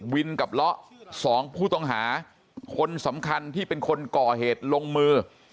กับเลาะสองผู้ต้องหาคนสำคัญที่เป็นคนก่อเหตุลงมือ